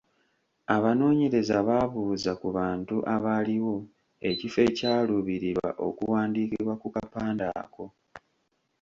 Abanoonyereza baabuuza ku bantu abaaliwo ekifo ekyaluubirirwa okuwandiikibwa ku kapande ako.